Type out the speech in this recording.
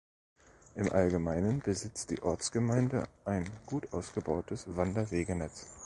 Im Allgemeinen besitzt die Ortsgemeinde ein gut ausgebautes Wanderwegenetz.